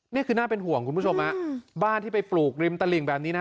นี่คือน่าเป็นห่วงคุณผู้ชมฮะบ้านที่ไปปลูกริมตลิ่งแบบนี้นะ